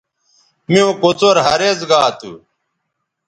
میوں کوڅر ھریز گا تھو